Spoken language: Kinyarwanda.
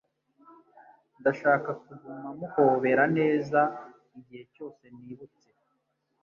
Ndashaka kuguma muhobera neza igihe cyose nibutse.